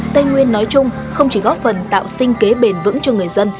tây nguyên nói chung không chỉ góp phần tạo sinh kế bền vững cho người dân